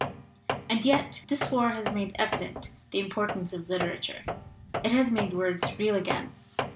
/ "And yet this war has made evident the im portance of literature. It has made words real again.